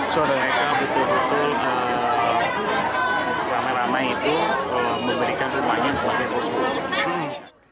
suara daya betul betul ramai ramai itu memberikan rumahnya sebagai posko